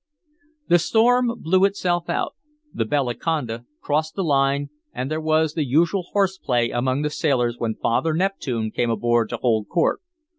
The storm blew itself out. The Bellaconda "crossed the line," and there was the usual horseplay among the sailors when Father Neptune came aboard to hold court.